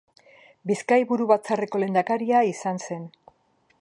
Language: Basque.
Bizkai Buru Batzarreko lehendakaria izan zen.